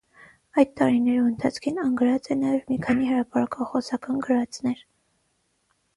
Այդ տարիներու ընթացքին ան գրած է նաեւ մի քանի հրապարակախօսական գրուածքներ։